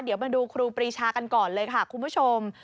เดี๋ยวมาดูครูปรีชากันก่อนเลยค่ะคุณผู้ชม